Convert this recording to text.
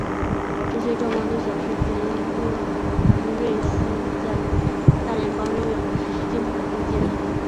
这些状况都显示裴瑞兹在大联盟仍有继续进步的空间。